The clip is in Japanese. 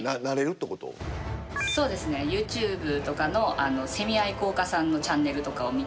そうですねＹｏｕＴｕｂｅとかのセミ愛好家さんのチャンネルとかを見て。